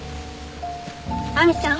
亜美ちゃん。